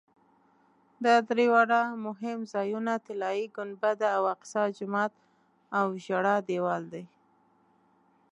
دا درې واړه مهم ځایونه طلایي ګنبده او اقصی جومات او ژړا دیوال دي.